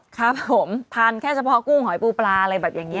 ครับผมทานแค่เฉพาะกุ้งหอยปูปลาอะไรแบบอย่างนี้